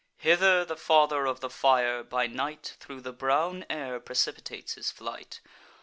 Hither the Father of the Fire, by night, Thro' the brown air precipitates his flight.